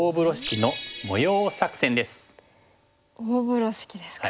大風呂敷ですか。